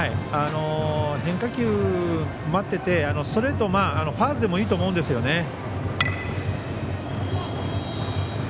変化球待っててストレート、ファウルでもいいと思うんですよね。